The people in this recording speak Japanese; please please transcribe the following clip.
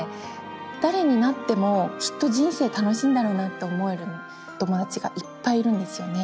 誰になってもきっと人生楽しいんだろうなって思えるお友だちがいっぱいいるんですよね。